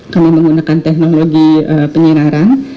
kami menggunakan teknologi penyinaran